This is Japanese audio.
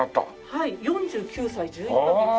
はい４９歳１１カ月で。